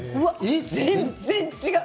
全然違う。